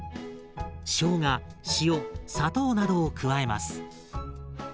しょうが塩砂糖などを加えます。